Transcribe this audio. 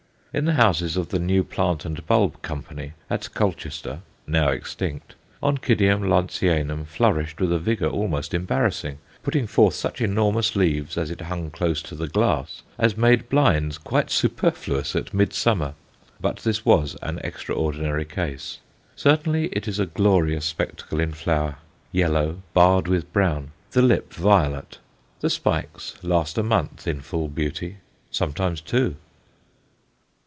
In the houses of the "New Plant and Bulb Company," at Colchester now extinct Onc. Lanceanum flourished with a vigour almost embarrassing, putting forth such enormous leaves, as it hung close to the glass, as made blinds quite superfluous at midsummer. But this was an extraordinary case. Certainly it is a glorious spectacle in flower yellow, barred with brown; the lip violet. The spikes last a month in full beauty sometimes two.